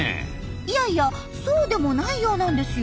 いやいやそうでもないようなんですよ。